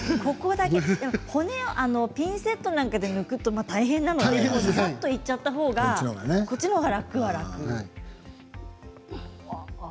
骨をピンセットで抜くと大変なのでずさっといっちゃったほうがこっちのほうが楽は楽。